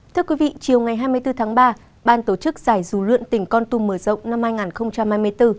thưa quý vị chiều ngày hai mươi bốn tháng ba ban tổ chức giải dù lượn tỉnh con tum mở rộng năm hai nghìn hai mươi bốn